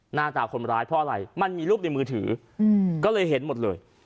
หน้าตาคนร้ายเพราะอะไรมันมีรูปในมือถือก็เลยเห็นหมดเลย